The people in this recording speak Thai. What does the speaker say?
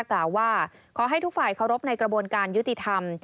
ขอให้ทุกฝ่ายเคารพในกระบวนการยุติธรรม